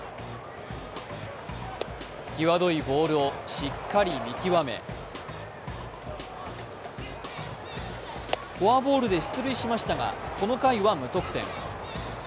際どいボールをしっかり見極めフォアボールで出塁しましたが、この回は無得点。